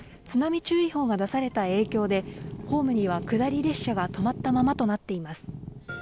津波注意報が出された影響でホームには下り電車が止まったままとなっています。